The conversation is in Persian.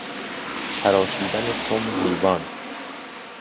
تراشیدن سم حیوان